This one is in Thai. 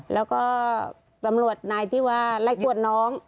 แล้วก็ตำรวจนายที่ว่าไล่กวดน้อง